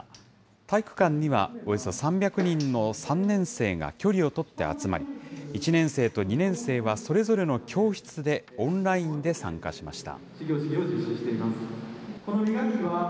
体育館にはおよそ３００人の３年生が距離を取って集まり、１年生と２年生はそれぞれの教室でオンラインで参加しました。